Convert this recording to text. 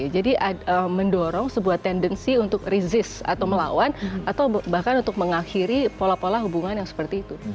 jadi mendorong sebuah tendensi untuk resist atau melawan atau bahkan untuk mengakhiri pola pola hubungan yang seperti itu